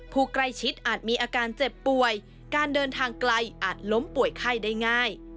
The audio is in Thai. ผู้ใกล้ชิดอาจมีอาการเจ็บป่วยการเดินทางไกลอาจล้มป่วยไข้ได้ง่าย